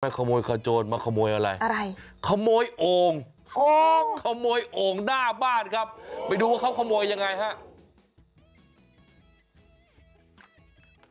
ขโมยขโจรมาขโมยอะไรอะไรขโมยโอ่งโอ่งขโมยโอ่งหน้าบ้านครับไปดูว่าเขาขโมยยังไงครับ